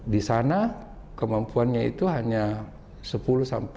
di sana kemampuannya itu hanya sepuluh lima belas orang